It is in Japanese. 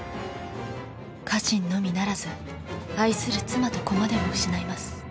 家臣のみならず愛する妻と子までも失います。